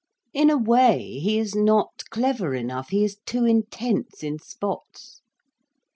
In a way, he is not clever enough, he is too intense in spots."